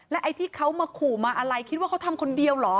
ไอ้ที่เขามาขู่มาอะไรคิดว่าเขาทำคนเดียวเหรอ